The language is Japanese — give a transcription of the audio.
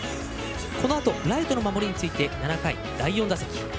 このあとライトの守りについて７回、第４打席。